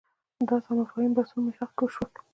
دا ځل مفاهیم بحثونو محراق کې واقع شول